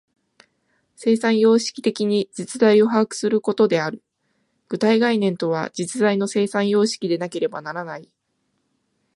生産様式的に実在を把握することである。具体概念とは、実在の生産様式でなければならない。